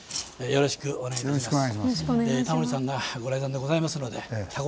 よろしくお願いします。